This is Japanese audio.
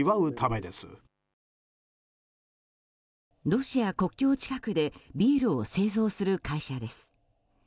ロシア国境近くでビールを製造する会社です。